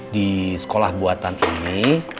di sekolah buatan ini